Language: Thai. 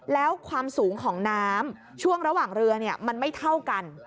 แล้วความสูงของน้ำช่วงระหว่างเรือมันไม่เท่ากัน